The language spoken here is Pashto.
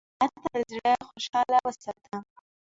مېلمه ته خپل زړه خوشحال وساته.